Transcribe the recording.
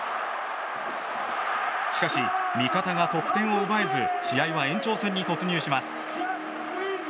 しかし、味方が得点を奪えず試合は延長戦に突入します。